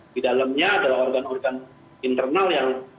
di dalamnya adalah organ organ internal yang